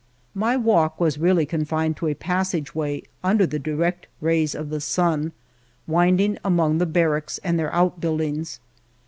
My walk was really confined to a passage way under the direct rays of the sun, winding among the barracks and their out buildings.